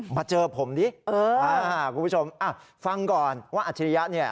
มาเจอผมดิคุณผู้ชมอ่ะฟังก่อนว่าอัจฉริยะเนี่ย